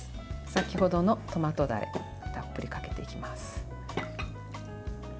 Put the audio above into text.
先程のトマトダレをたっぷりかけていきます。